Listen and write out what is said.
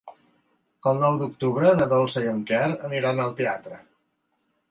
El nou d'octubre na Dolça i en Quer iran al teatre.